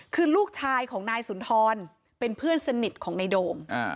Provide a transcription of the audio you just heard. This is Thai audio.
คือลูกชายของนายสุนทรเป็นเพื่อนสนิทของนายโดม